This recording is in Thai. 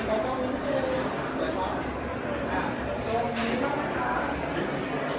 ตอนนี้กลับมาตอนนี้กลับมา